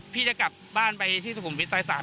พี่จะกลับบ้านไปที่สหบประวัติศาสตร์๓